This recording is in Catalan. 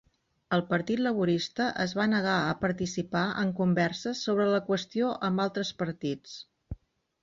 El Partit Laborista es va negar a participar en converses sobre la qüestió amb altres partits.